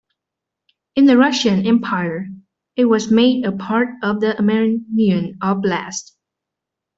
In the Russian Empire it was made a part of the Armenian Oblast.